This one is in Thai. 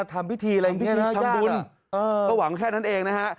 ทำพิธีอะไรอย่างนี้นะฮะทำบุญก็หวังแค่นั้นเองนะฮะ